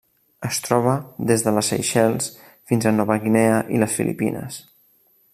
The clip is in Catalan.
Es troba des de les Seychelles fins a Nova Guinea i les Filipines.